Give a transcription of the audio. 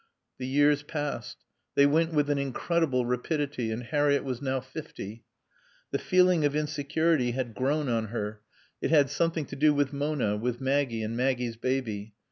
The years passed. They went with an incredible rapidity, and Harriett was now fifty. The feeling of insecurity had grown on her. It had something to do with Mona, with Maggie and Maggie's baby.